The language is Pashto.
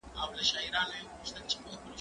ښکلا دي په نرګيس و په ګلاب کي نه ځايږي